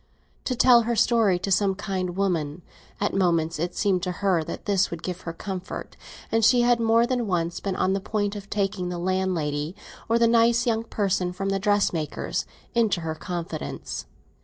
To tell her story to some kind woman—at moments it seemed to her that this would give her comfort, and she had more than once been on the point of taking the landlady, or the nice young person from the dressmaker's, into her confidence.